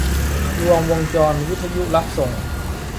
รวมวงจรวิทยุรับส่ง